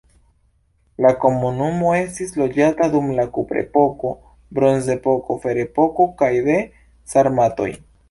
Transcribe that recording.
La komunumo estis loĝata dum la kuprepoko, bronzepoko, ferepoko kaj de sarmatoj.